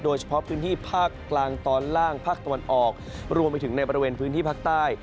โดยเฉพาะพื้นที่ภาคกลางตอนล่างภาคตะวันออกรวมไปถึงในบริเวณพื้นที่ภาคใต้